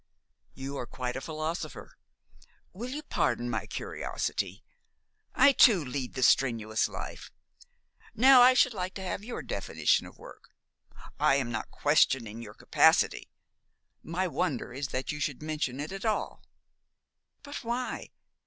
"You are quite a philosopher. Will you pardon my curiosity? I too lead the strenuous life. Now, I should like to have your definition of work. I am not questioning your capacity. My wonder is that you should mention it at all." "But why?